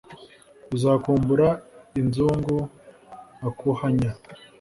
uzakumbura inzungu akuhanya.